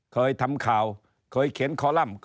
เคยทำข่าวเคยเขียนคอลัมป์